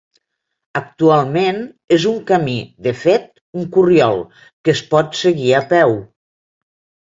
Actualment és un camí, de fet, un corriol, que es pot seguir a peu.